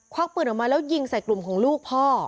วักปืนออกมาแล้วยิงใส่กลุ่มของลูกพ่อ